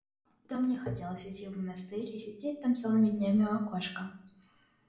То мне хотелось уйти в монастырь, и сидеть там целыми днями у окошка.